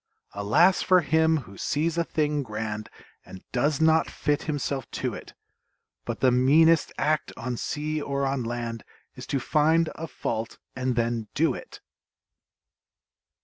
Alas for him who sees a thing grand And does not fit himself to it! But the meanest act, on sea or on land, Is to find a fault, and then do it!